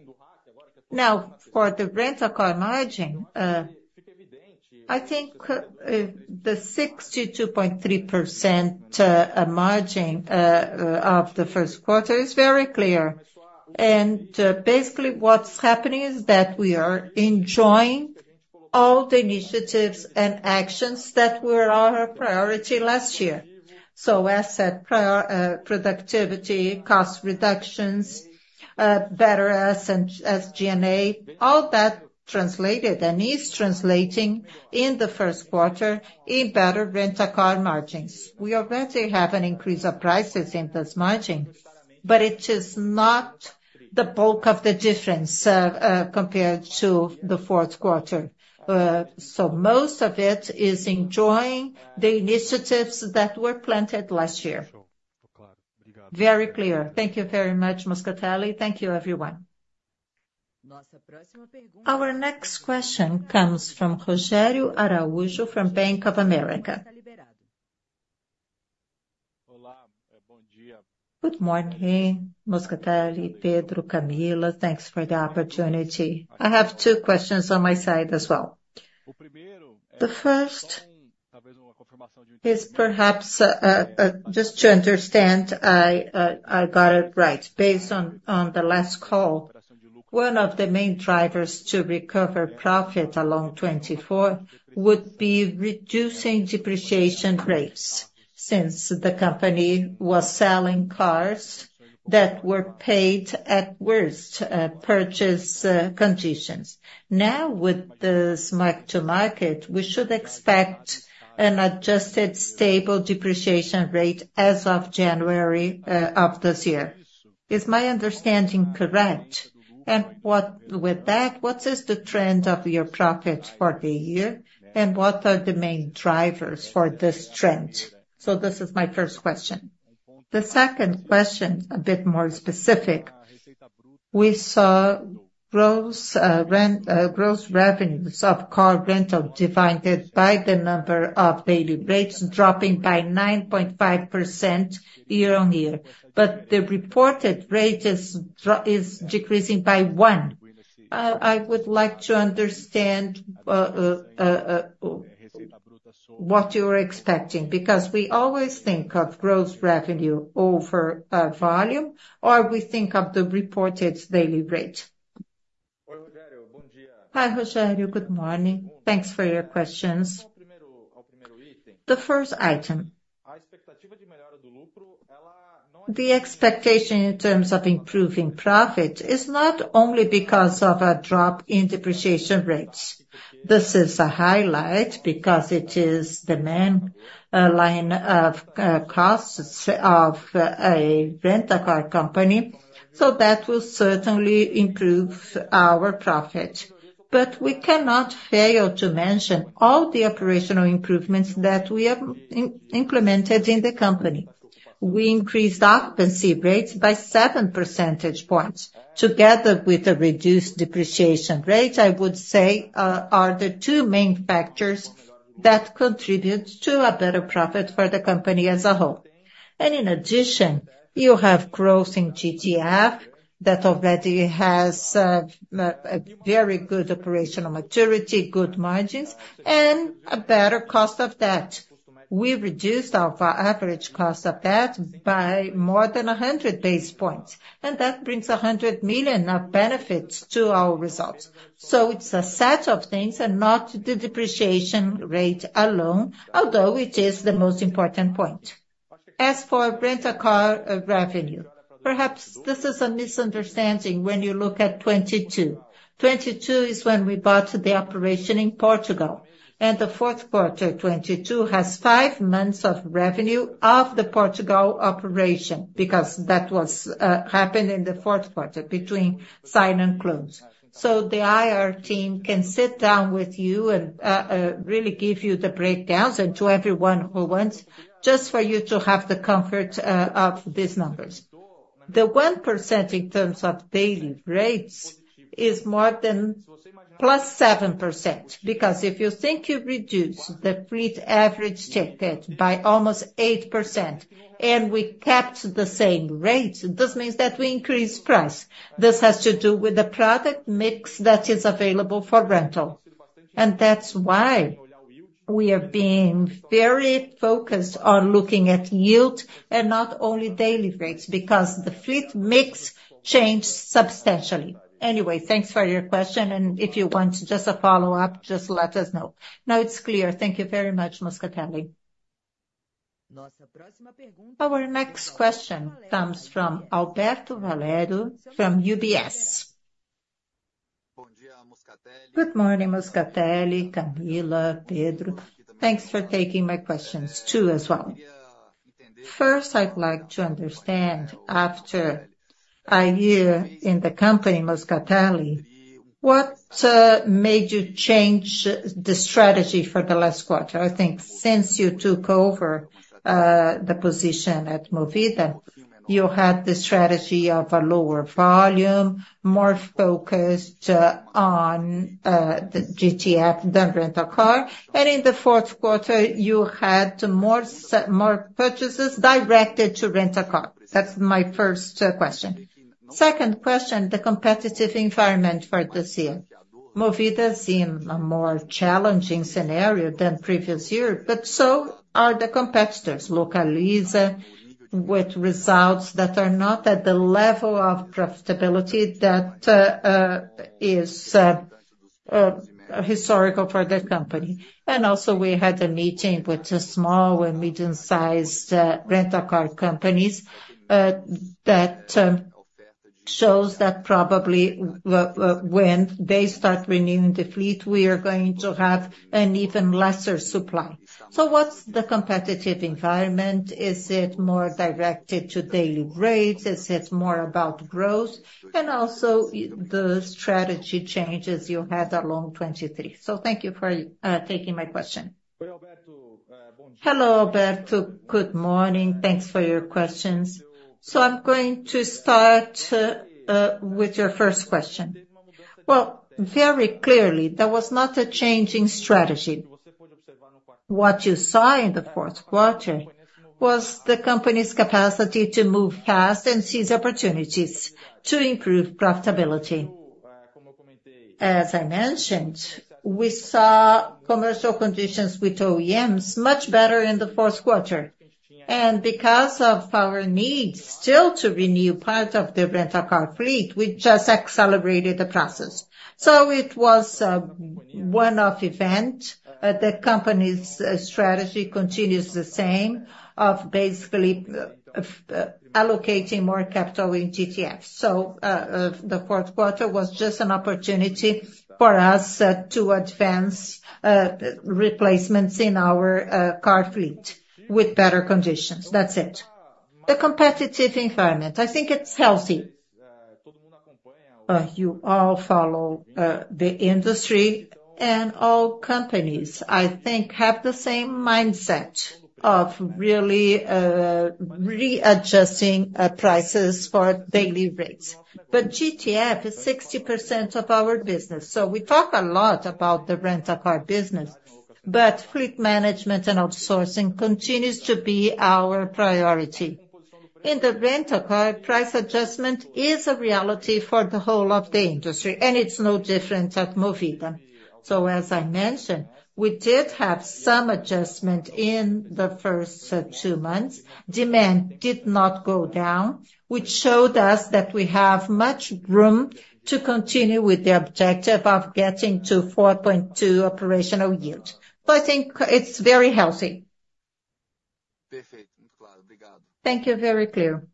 Now, for the rental car margin, I think the 62.3% margin of the first quarter is very clear. And basically, what's happening is that we are enjoying all the initiatives and actions that were our priority last year. So asset productivity, cost reductions, better SG&A, all that translated and is translating in the first quarter in better rental car margins. We already have an increase of prices in this margin, but it is not the bulk of the difference compared to the fourth quarter. So most of it is enjoying the initiatives that were planted last year. Very clear. Thank you very much, Moscatelli. Thank you, everyone. Our next question comes from Rogério Araújo from Bank of America. Good morning, Moscatelli, Pedro, Camila. Thanks for the opportunity. I have two questions on my side as well. The first is perhaps just to understand, I got it right. Based on the last call, one of the main drivers to recover profit along 2024 would be reducing depreciation rates since the company was selling cars that were paid at worst purchase conditions. Now, with this mark-to-market, we should expect an adjusted stable depreciation rate as of January of this year. Is my understanding correct? And with that, what is the trend of your profit for the year, and what are the main drivers for this trend? So this is my first question. The second question, a bit more specific, we saw growth revenues of car rental divided by the number of daily rates dropping by 9.5% year-over-year, but the reported rate is decreasing by 1%. I would like to understand what you are expecting because we always think of growth revenue over volume or we think of the reported daily rate. Hi, Rogério. Good morning. Thanks for your questions. The first item, the expectation in terms of improving profit is not only because of a drop in depreciation rates. This is a highlight because it is the main line of costs of a rental car company, so that will certainly improve our profit. But we cannot fail to mention all the operational improvements that we have implemented in the company. We increased occupancy rates by 7 percentage points. Together with the reduced depreciation rate, I would say, are the two main factors that contribute to a better profit for the company as a whole. And in addition, you have growth in GTF that already has a very good operational maturity, good margins, and a better cost of debt. We reduced our average cost of debt by more than 100 basis points, and that brings 100 million of benefits to our results. So it's a set of things and not the depreciation rate alone, although it is the most important point. As for rental car revenue, perhaps this is a misunderstanding when you look at 2022. 2022 is when we bought the operation in Portugal, and the fourth quarter, 2022, has 5 months of revenue of the Portugal operation because that happened in the fourth quarter between sign and close. So the IR team can sit down with you and really give you the breakdowns and to everyone who wants, just for you to have the comfort of these numbers. The 1% in terms of daily rates is more than plus 7% because if you think you reduce the fleet average ticket by almost 8% and we kept the same rate, this means that we increased price. This has to do with the product mix that is available for rental. And that's why we are being very focused on looking at yield and not only daily rates because the fleet mix changed substantially. Anyway, thanks for your question, and if you want just a follow-up, just let us know. Now it's clear. Thank you very much, Moscatelli. Our next question comes from Alberto Valerio from UBS. Good morning, Moscatelli, Camila, Pedro. Thanks for taking my questions too as well. First, I'd like to understand, after a year in the company, Moscatelli, what made you change the strategy for the last quarter? I think since you took over the position at Movida, you had the strategy of a lower volume, more focused on the GTF than rental car, and in the fourth quarter, you had more purchases directed to rental car. That's my first question. Second question, the competitive environment for this year. Movida seemed a more challenging scenario than previous year, but so are the competitors, Localiza, with results that are not at the level of profitability that is historical for the company. And also, we had a meeting with small and medium-sized rental car companies that shows that probably when they start renewing the fleet, we are going to have an even lesser supply. So what's the competitive environment? Is it more directed to daily rates? Is it more about growth? And also, the strategy changes you had along 2023. So thank you for taking my question. Hello, Alberto. Good morning. Thanks for your questions. So I'm going to start with your first question. Well, very clearly, there was not a changing strategy. What you saw in the fourth quarter was the company's capacity to move fast and seize opportunities to improve profitability. As I mentioned, we saw commercial conditions with OEMs much better in the fourth quarter. And because of our need still to renew part of the rental car fleet, we just accelerated the process. So it was one-off event. The company's strategy continues the same of basically allocating more capital in GTF. So the fourth quarter was just an opportunity for us to advance replacements in our car fleet with better conditions. That's it. The competitive environment, I think it's healthy. You all follow the industry, and all companies, I think, have the same mindset of really readjusting prices for daily rates. But GTF is 60% of our business. So we talk a lot about the rental car business, but fleet management and outsourcing continues to be our priority. In the rental car, price adjustment is a reality for the whole of the industry, and it's no different at Movida. So as I mentioned, we did have some adjustment in the first 2 months. Demand did not go down, which showed us that we have much room to continue with the objective of getting to 4.2 operational yield. So I think it's very healthy. Thank you. Very clear.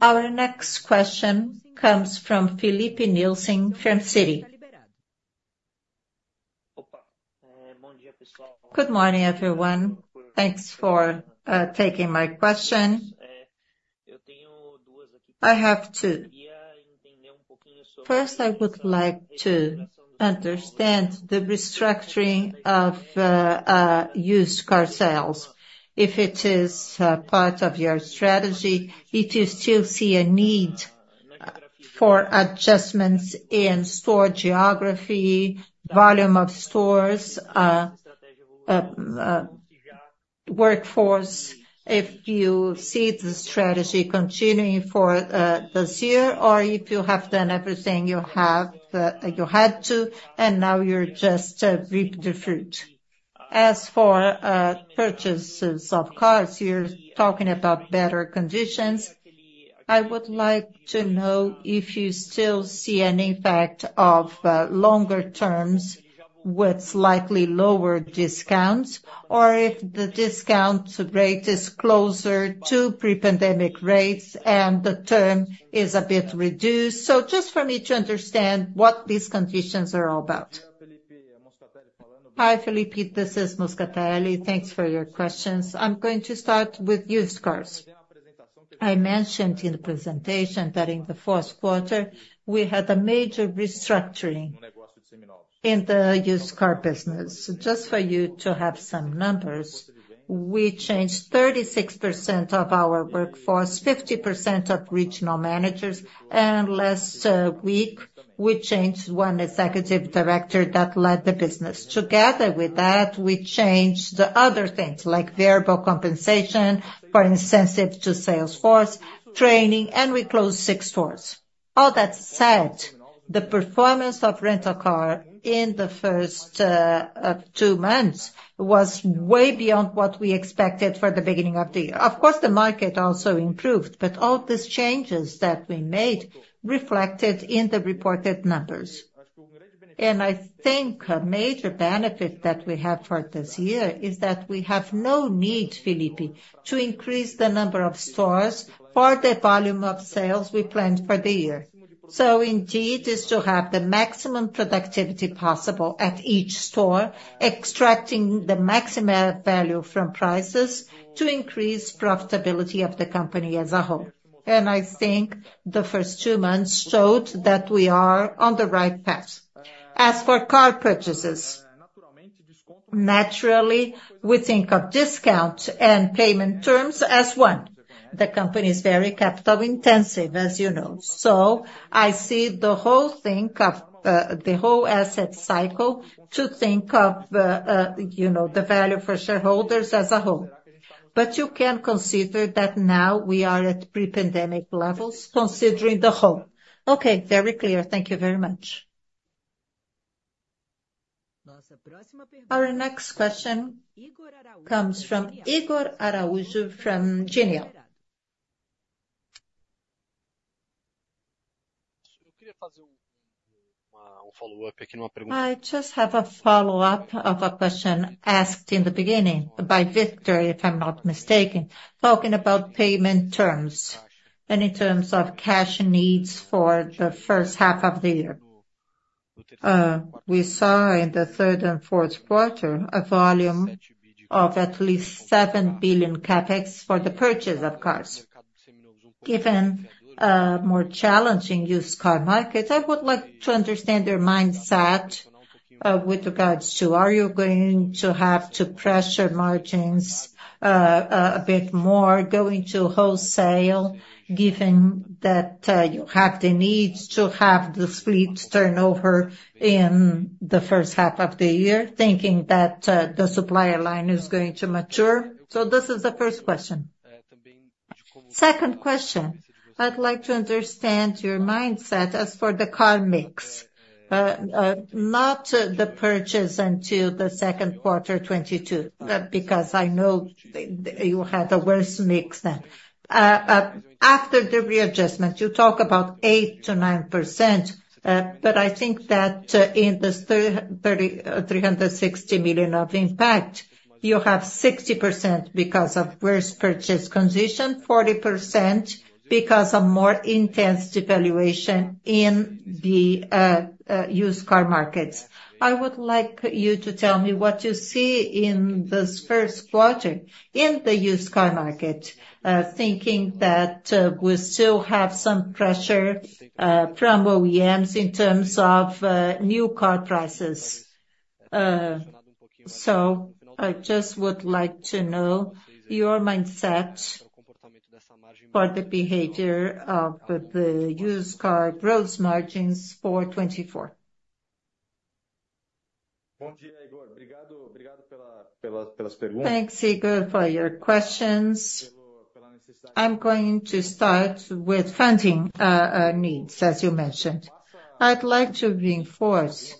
Our next question comes from Filipe Nielsen from Citi. Good morning, everyone. Thanks for taking my question. I have two. First, I would like to understand the restructuring of used car sales. If it is part of your strategy, do you still see a need for adjustments in store geography, volume of stores, workforce, if you see the strategy continuing for this year, or if you have done everything you had to and now you're just reaping the fruit? As for purchases of cars, you're talking about better conditions. I would like to know if you still see an impact of longer terms with likely lower discounts or if the discount rate is closer to pre-pandemic rates and the term is a bit reduced. So just for me to understand what these conditions are all about. Hi, Filipe. This is Moscatelli. Thanks for your questions. I'm going to start with used cars. I mentioned in the presentation that in the fourth quarter, we had a major restructuring in the used car business. Just for you to have some numbers, we changed 36% of our workforce, 50% of regional managers, and last week, we changed one executive director that led the business. Together with that, we changed other things like variable compensation for incentive to sales force, training, and we closed 6 stores. All that said, the performance of rental car in the first 2 months was way beyond what we expected for the beginning of the year. Of course, the market also improved, but all these changes that we made reflected in the reported numbers. I think a major benefit that we have for this year is that we have no need, Filipe, to increase the number of stores for the volume of sales we planned for the year. Indeed, it's to have the maximum productivity possible at each store, extracting the maximum value from prices to increase profitability of the company as a whole. I think the first 2 months showed that we are on the right path. As for car purchases, naturally, we think of discount and payment terms as one. The company is very capital-intensive, as you know. So I see the whole thing of the whole asset cycle to think of the value for shareholders as a whole. But you can consider that now we are at pre-pandemic levels. Considering the whole. Okay, very clear. Thank you very much. Our next question comes from Ygor Bastos from Genial. I just have a follow-up of a question asked in the beginning by Victor, if I'm not mistaken, talking about payment terms and in terms of cash needs for the first half of the year. We saw in the third and fourth quarter a volume of at least 7 billion CapEx for the purchase of cars. Given a more challenging used car market, I would like to understand your mindset with regards to are you going to have to press your margins a bit more, going to wholesale given that you have the needs to have the fleet turnover in the first half of the year, thinking that the supplier line is going to mature? So this is the first question. Second question, I'd like to understand your mindset as for the car mix, not the purchase until the second quarter, 2022, because I know you had a worse mix then. After the readjustment, you talk about 8%-9%, but I think that in this 360 million of impact, you have 60% because of worse purchase condition, 40% because of more intense devaluation in the used car markets. I would like you to tell me what you see in this first quarter in the used car market, thinking that we still have some pressure from OEMs in terms of new car prices. So I just would like to know your mindset for the behavior of the used car gross margins for 2024. Thanks, Ygor, for your questions. I'm going to start with funding needs, as you mentioned. I'd like to reinforce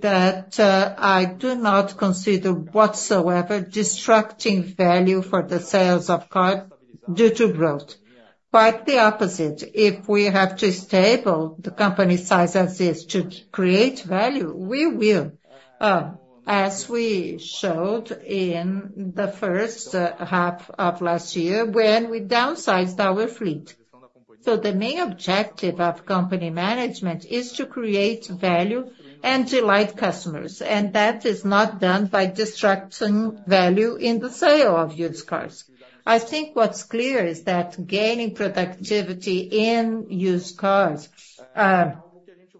that I do not consider whatsoever destroying value for the sales of cars due to growth. Quite the opposite, if we have to stabilize the company size as is to create value, we will, as we showed in the first half of last year when we downsized our fleet. So the main objective of company management is to create value and delight customers, and that is not done by destroying value in the sale of used cars. I think what's clear is that gaining productivity in used cars,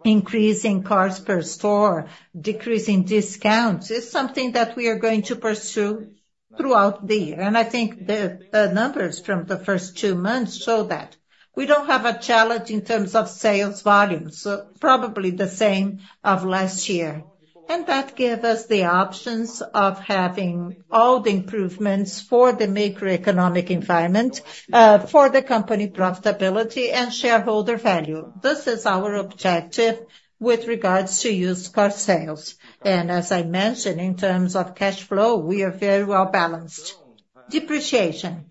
increasing cars per store, decreasing discounts is something that we are going to pursue throughout the year. I think the numbers from the first 2 months show that. We don't have a challenge in terms of sales volumes, probably the same as last year. That gives us the options of having all the improvements for the macroeconomic environment, for the company profitability, and shareholder value. This is our objective with regards to used car sales. As I mentioned, in terms of cash flow, we are very well balanced. Depreciation.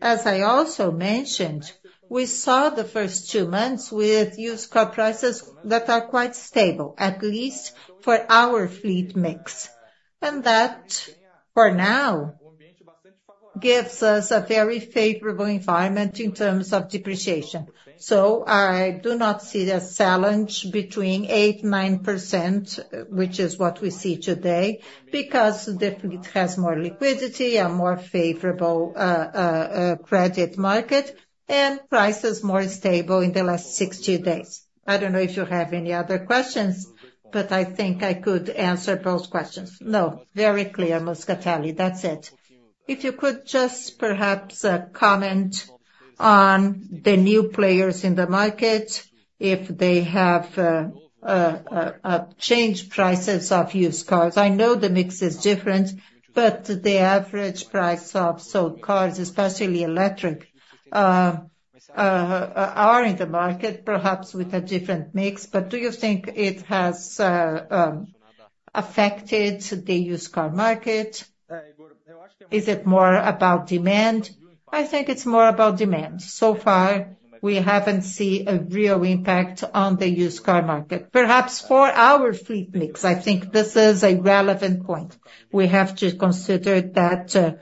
As I also mentioned, we saw the first 2 months with used car prices that are quite stable, at least for our fleet mix. That, for now, gives us a very favorable environment in terms of depreciation. So I do not see a challenge between 8%-9%, which is what we see today, because the fleet has more liquidity, a more favorable credit market, and prices more stable in the last 60 days. I don't know if you have any other questions, but I think I could answer both questions. No, very clear, Moscatelli. That's it. If you could just perhaps comment on the new players in the market, if they have changed prices of used cars? I know the mix is different, but the average price of sold cars, especially electric, are in the market, perhaps with a different mix. But do you think it has affected the used car market? Is it more about demand? I think it's more about demand. So far, we haven't seen a real impact on the used car market. Perhaps for our fleet mix, I think this is a relevant point. We have to consider that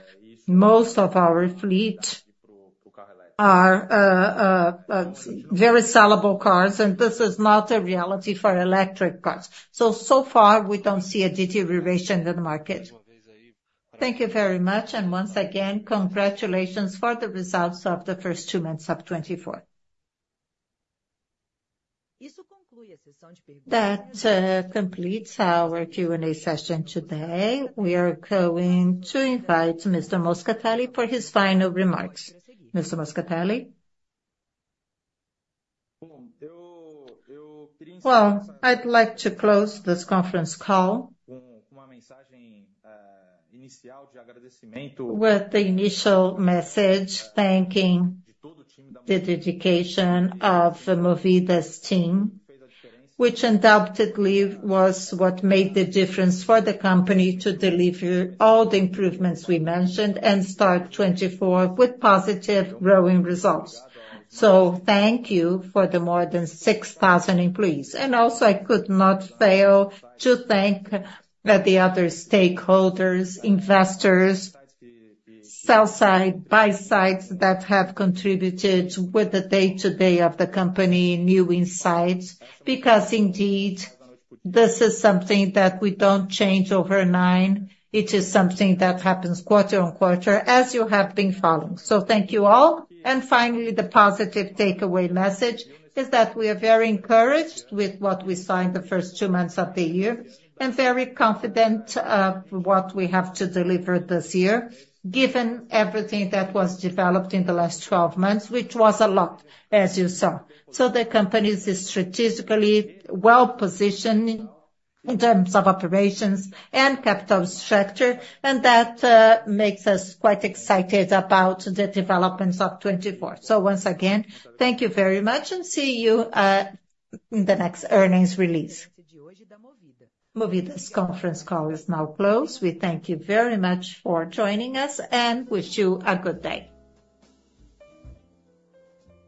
most of our fleet are very sellable cars, and this is not a reality for electric cars. So far, we don't see a deterioration in the market. Thank you very much. Once again, congratulations for the results of the first 2 months of 2024. That completes our Q&A session today. We are going to invite Mr. Moscatelli for his final remarks. Mr. Moscatelli? Well, I'd like to close this conference call with the initial message thanking the dedication of Movida's team, which undoubtedly was what made the difference for the company to deliver all the improvements we mentioned and start 2024 with positive growing results. So thank you for the more than 6,000 employees. And also, I could not fail to thank the other stakeholders, investors, sell side, buy side that have contributed with the day-to-day of the company, new insights, because indeed, this is something that we don't change overnight. It is something that happens quarter-over-quarter, as you have been following. So thank you all. And finally, the positive takeaway message is that we are very encouraged with what we saw in the first 2 months of the year and very confident of what we have to deliver this year, given everything that was developed in the last 12 months, which was a lot, as you saw. So the company is strategically well positioned in terms of operations and capital structure, and that makes us quite excited about the developments of 2024. So once again, thank you very much, and see you in the next earnings release. Movida's conference call is now closed. We thank you very much for joining us and wish you a good day.